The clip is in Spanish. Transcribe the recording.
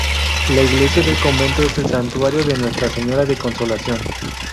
La iglesia del convento es el santuario de Nuestra Señora de Consolación.